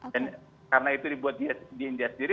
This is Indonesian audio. dan karena itu dibuat di india sendiri